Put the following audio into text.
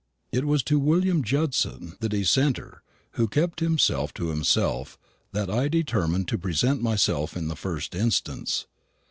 It was to William Judson the dissenter, who kept himself to himself, that I determined to present myself in the first instance.